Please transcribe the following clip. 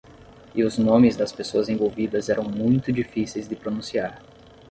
E os nomes das pessoas envolvidas eram muito difíceis de pronunciar.